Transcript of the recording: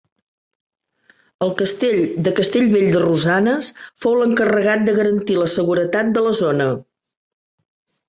El castell de Castellvell de Rosanes fou l’encarregat de garantir la seguretat de la zona.